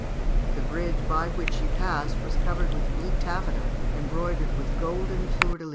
_' The bridge by which she passed was covered with blue taffeta, embroidered with golden fleurs de lys.